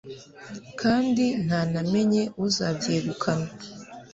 kandi ntanamenye uzabyegukana